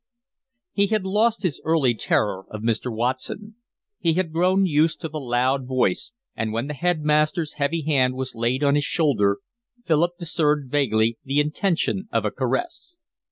He had lost his early terror of Mr. Watson. He had grown used to the loud voice, and when the headmaster's heavy hand was laid on his shoulder Philip discerned vaguely the intention of a caress.